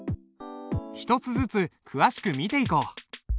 一つずつ詳しく見ていこう。